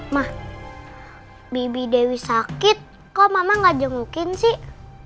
mah bibi dewi sakit kok mama gak jengukin sih